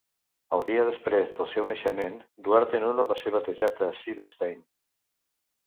El dia després del seu naixement, Duarte Nuno va ser batejat a Seebenstein.